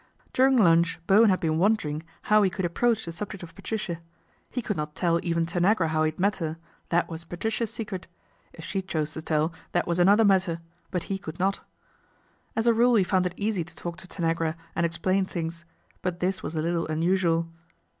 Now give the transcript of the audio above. During lunch Bowen had been wondering how he could approach the subject of Patricia. He could not tell even Tanagra how he had met her that was Patricia's secret. If she chose to tell, that was another matter ; but he could not. As a rule he found it easy to talk to Tanagra and explain things; but this was a little unusual.